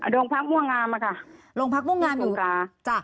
โรงพักษณ์ม่วงงามค่ะที่สงขา